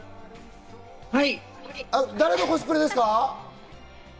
誰のコスプレですか？